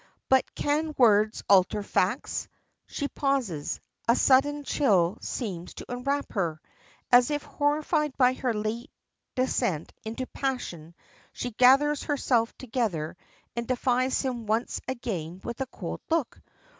"But can words alter facts?" She pauses; a sudden chill seems to enwrap her. As if horrified by her late descent into passion she gathers herself together, and defies him once again with a cold look.